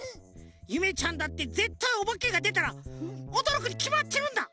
ゆめちゃんだってぜったいおばけがでたらおどろくにきまってるんだ！